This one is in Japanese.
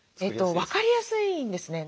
分かりやすいんですね。